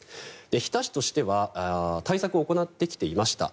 日田市としては対策を行ってきていました。